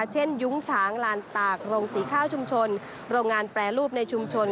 ยุ้งฉางลานตากโรงสีข้าวชุมชนโรงงานแปรรูปในชุมชน